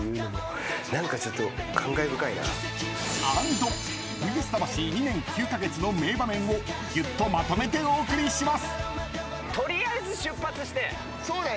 ［＆『ＶＳ魂』２年９カ月の名場面をぎゅっとまとめてお送りします］